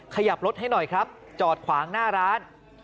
ขยับรถให้หน่อยครับจอดขวางหน้าร้าน